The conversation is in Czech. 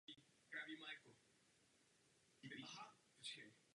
Toto rozhodnutí vyvolalo velkou vlnu diskusí a nevole nejen mezi slovenskými věřícími.